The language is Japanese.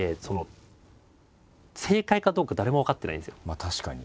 まあ確かに。